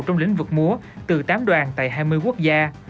trong lĩnh vực múa từ tám đoàn tại hai mươi quốc gia